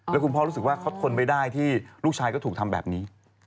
แล้วคุณพ่อรู้สึกว่าเขาทนไม่ได้ที่ลูกชายก็ถูกทำแบบนี้